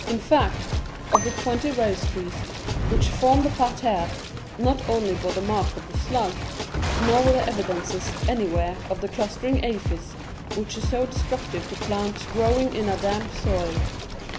In fact, of the twenty rose trees which formed the parterre, not one bore the mark of the slug, nor were there evidences anywhere of the clustering aphis which is so destructive to plants growing in a damp soil.